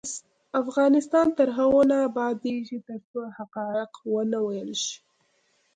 افغانستان تر هغو نه ابادیږي، ترڅو حقایق ونه ویل شي.